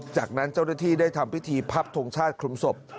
จากนั้นเจ้าหน้าที่ได้ทำพิธีพับทงชาติคลุมศพ